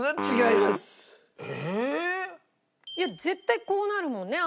いや絶対こうなるもんね